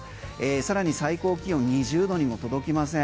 さらに最高気温２０度にも届きません。